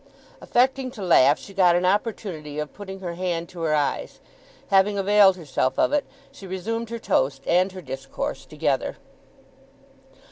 Affecting to laugh, she got an opportunity of putting her hand to her eyes. Having availed herself of it, she resumed her toast and her discourse together.